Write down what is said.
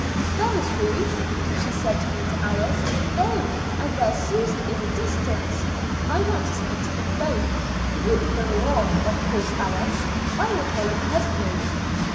"There is Ruth," she said, turning to Alice. "Oh! and there's Susy in the distance. I want to speak to them both. You can go on, of course, Alice; I will follow presently."